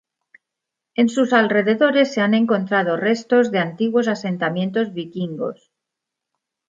En sus alrededores se han encontrado restos de antiguos asentamientos vikingos.